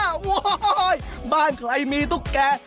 โอ้โหบ้านใครมีตุ๊กแก่